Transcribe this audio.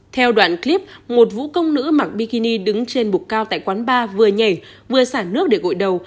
theo đoạn clip một vũ công nữ mặc bigini đứng trên bục cao tại quán bar vừa nhảy vừa xả nước để gội đầu